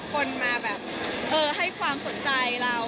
คนมาแบบให้ความสนใจเรา